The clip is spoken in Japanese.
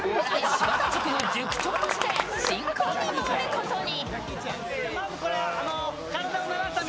柴田塾の塾長として進行に回ることに。